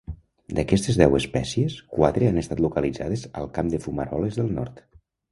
D'aquestes deu espècies, quatre han estat localitzades al camp de fumaroles del nord.